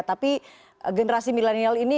tapi generasi milenial ini